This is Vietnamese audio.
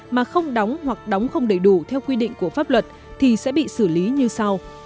mà không đóng hoặc đóng không đầy đủ theo quy định của pháp luật thì sẽ bị xử lý như sau